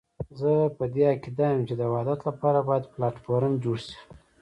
زه پر دې عقيده یم چې د وحدت لپاره باید پلاټ فورم جوړ شي.